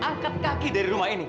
angkat kaki dari rumah ini